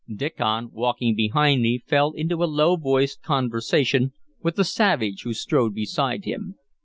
Diccon, walking behind me, fell into a low voiced conversation with the savage who strode beside him.